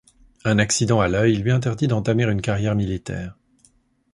Un accident à l'œil lui interdit d'entamer une carrière militaire.